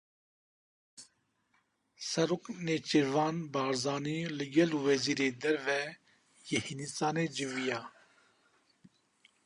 Serok Nêçîrvan Barzanî li gel Wezîrê Derve yê Hîndistanê civiya.